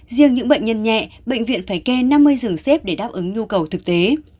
riêng những bệnh nhân nhẹ bệnh viện phải kê năm mươi giường xếp để đáp ứng nhu cầu thực tế